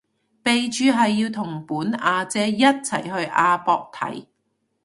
備註係要同本阿姐一齊去亞博睇